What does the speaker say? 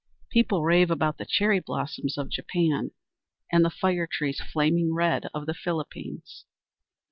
People rave about the cherry blossoms of Japan, and the fire trees, flaming red, of the Philippines.